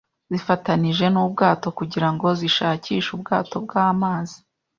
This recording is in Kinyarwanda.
zifatanije nubwato kugirango zishakishe ubwato bwamazi